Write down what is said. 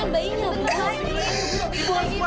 ibu harus kuat ibu